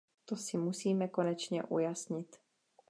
To si musíme konečně ujasnit.